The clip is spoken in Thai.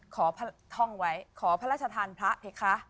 ขอท่องไว้ขอพระราชทานพระสิคะ